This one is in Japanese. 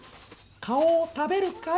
顔を食べるかい？